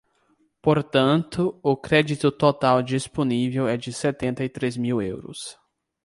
Portanto, o crédito total disponível é de setenta e três mil euros.